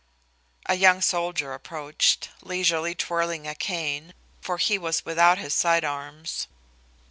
A young soldier approached, leisurely twirling a cane, for he was without his side arms.